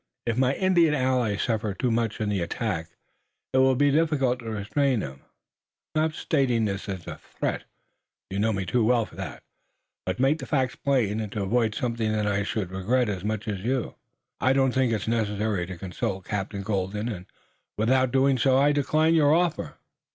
If my Indian allies suffer too much in the attack it will be difficult to restrain them. I'm not stating this as a threat you know me too well for that but to make the facts plain, and to avoid something that I should regret as much as you." "I don't think it necessary to consult Captain Colden, and without doing so I decline your offer.